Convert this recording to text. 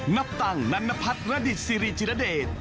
นับตังค์นันพัทธิ์ระดิษฐ์ซีรีส์จิรเดช